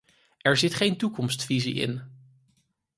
Er zit geen toekomstvisie in.